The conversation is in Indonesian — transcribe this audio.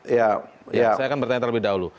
ya saya akan bertanya terlebih dahulu